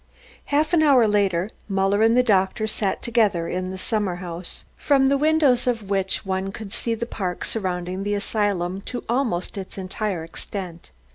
Half an hour later Muller and the doctor sat together in a summer house, from the windows of which one could see the park surrounding the asylum to almost its entire extent.